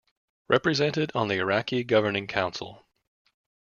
Represented on the Iraqi Governing Council.